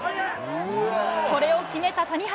これを決めた谷原。